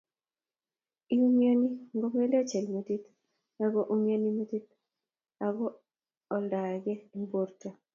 iumianii ngomelach helmetit ago umian metit ago oldaage eng borto